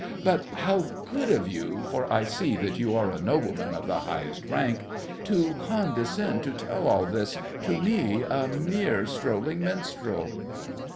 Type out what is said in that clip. But how good of you (for I see that you are a nobleman of the highest rank) to condescend to tell all this to me, a mere strolling minstrel!